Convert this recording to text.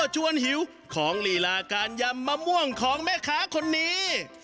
ชวนหิวของลีลาการยำมะม่วงของแม่ค้าคนนี้